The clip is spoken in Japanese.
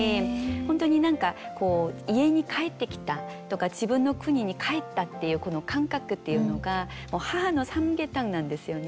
本当に何かこう家に帰ってきたとか自分の国に帰ったっていうこの感覚っていうのがもう母のサムゲタンなんですよね。